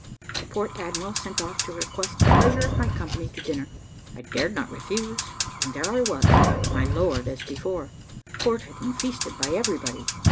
The port admiral sent off to request the pleasure of my company to dinner. I dared not refuse; and there I was, my lord as before, courted and feasted by everybody.